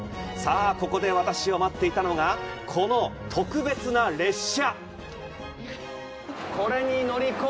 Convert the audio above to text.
ここで私を待っていたのが、この特別な列車！